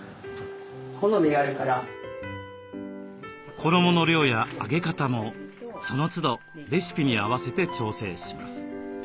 衣の量や揚げ方もそのつどレシピに合わせて調整します。